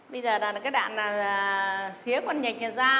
bây giờ là cái đạn là xía con nhạch ra